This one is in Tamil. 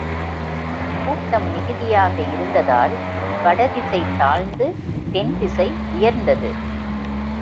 கூட்டம் மிகுதியாக இருந்ததால் வட திசை தாழ்ந்து, தென் திசை உயர்ந்தது.